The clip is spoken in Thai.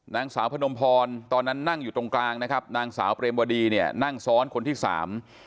นางสาวพนมพรตอนนั้นนั่งอยู่ตรงกลางนะครับนางสาวเปรมวดีเนี่ยนั่งซ้อนคนที่สาม